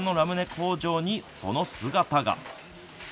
工場にその姿が。